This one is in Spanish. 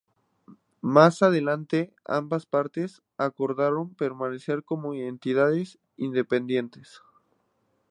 Más adelante, ambas partes acordaron permanecer como entidades independientes.